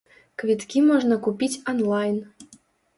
Квіткі можна купіць анлайн.